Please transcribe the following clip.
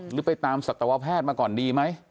หรือไปตามสัตวแพทย์มาก่อนดีไหม